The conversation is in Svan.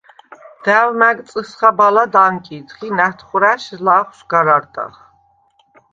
და̈ვ მა̈გ წჷსხა-ბალად ანკიდხ ი ნა̈თხვრა̈შ ლაღვშ გარ არდახ.